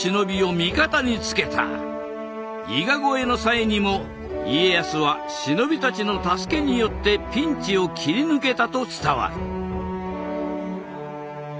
伊賀越えの際にも家康は忍びたちの助けによってピンチを切り抜けたと伝わる。